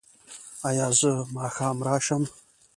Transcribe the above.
ایا زه ماښام راشم؟